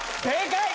正解。